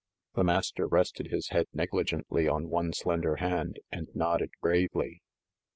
The Master rested his head negligently on one slender hand, and nodded gravely.